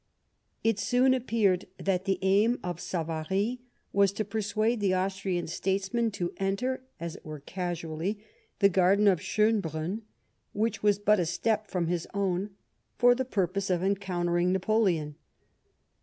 It soon appeared that the aim of Savary was to persuade the Austrian statesman to enter, as it were casually, the garden of Schonbrunn, which was but a step from his own, for the purpose of encountering Napoleon.